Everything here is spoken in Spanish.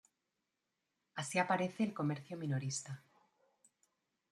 Así aparece el comercio minorista.